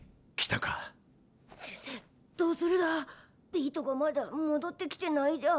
ビートがまだもどってきてないだ。